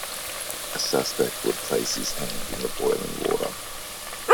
A suspect would place his hand in the boiling water.